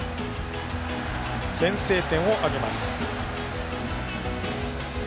先制点を挙げます。